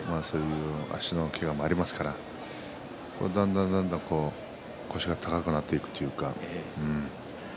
足のけがもありますからだんだんだんだん腰が高くなっていくというか。